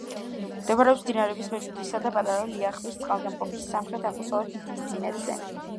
მდებარეობს მდინარეების მეჯუდისა და პატარა ლიახვის წყალგამყოფის სამხრეთ-აღმოსავლეთ მთისწინეთზე.